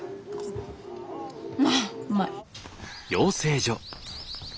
まあうまい。